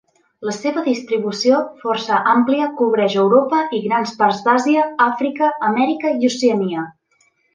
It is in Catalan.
La seva distribució, força àmplia, cobreix Europa i grans parts d'Àsia, Àfrica, Amèrica i Oceania.